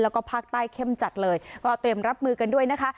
แล้วก็ภาคใต้เข้มจัดเลยก็เตรียมรับมือกันด้วยนะคะ